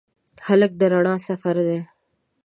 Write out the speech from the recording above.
هلک د رڼا سفر دی.